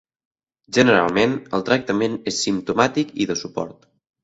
Generalment, el tractament és simptomàtic i de suport.